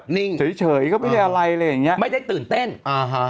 นิ่งเฉยเฉยก็ไม่ได้อะไรอะไรอย่างเงี้ยไม่ได้ตื่นเต้นอ่าฮะ